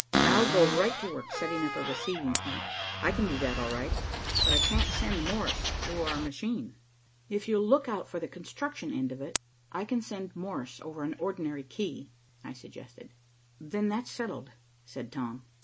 "I'll go right to work setting up a receiving plant. I can do that, all right, but I can't send Morse through our machine." "If you'll look out for the construction end of it, I can send Morse over an ordinary key," I suggested. "Then that's settled," said Tom.